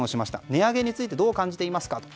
値上げについてどう感じていますか？と。